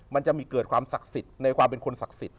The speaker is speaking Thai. มันจะมีเกิดความศักดิ์สิทธิ์ในความเป็นคนศักดิ์สิทธิ